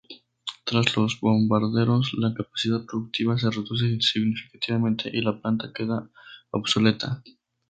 Tras los bombardeos la capacidad productiva se reduce significativamente y la planta queda obsoleta.